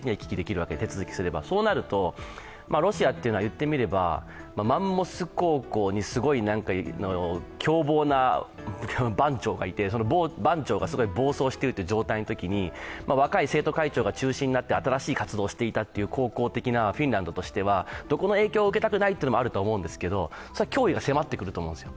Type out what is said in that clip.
そうなると、ロシアっていうのは言ってみればマンモス高校に凶暴な番長がいて番長が暴走しているという状態のときに、若い生徒会長が中心になって新しい活動をしていたという高校的なフィンランドとしてはどこの影響も受けたくないっていうのはあると思うんですが脅威が迫ってくると思うんです。